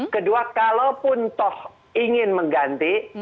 kedua kalaupun toh ingin mengganti